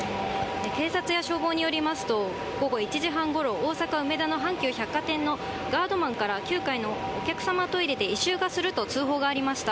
警察や消防によりますと、午後１時半ごろ、大阪・梅田の阪急百貨店のガードマンから、９階のお客様トイレで異臭がすると通報がありました。